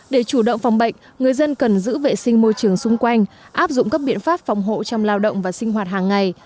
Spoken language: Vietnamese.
để chủ động phòng bệnh người dân cần giữ vệ sinh môi trường xung quanh áp dụng các biện pháp phòng hộ trong lao động và sinh hoạt hàng ngày